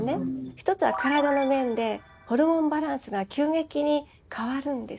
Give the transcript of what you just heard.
１つは体の面でホルモンバランスが急激に変わるんです。